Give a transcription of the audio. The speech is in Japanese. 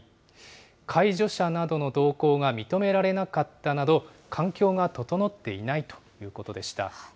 介助者などの同行が認められなかったなど、環境が整っていないということでした。